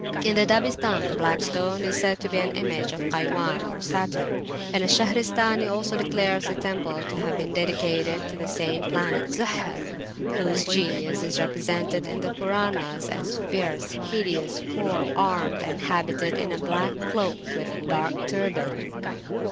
In the Dabistan the Black Stone is said to be an image of Kaywan or Saturn; and Al Shahristani also declares the temple to have been dedicated to the same planet Zuhal, whose genius is represented in the Puranas as fierce, hideous, four armed, and habited in a black cloak, with a dark turband.